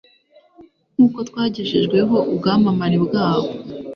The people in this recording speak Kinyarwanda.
nk'uko twagejejweho ubwamamare bwabo